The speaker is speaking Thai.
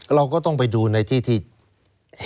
เราก็ต้องไปดูในที่ที่เห็นจริงเลยคุณนิวครับ